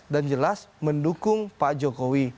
dan jelas mendukung pak jokowi